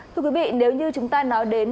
thưa quý vị nếu như chúng ta nói đến